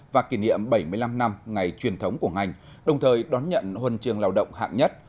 và kỷ niệm bảy mươi năm năm ngày truyền thống của ngành đồng thời đón nhận huân trường lao động hạng nhất